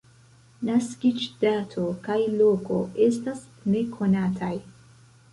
Naskiĝdato kaj -loko estas nekonataj.